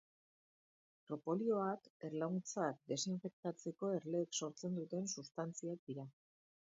Propolioak erlauntzak desinfektatzeko erleek sortzen duten substantziak dira.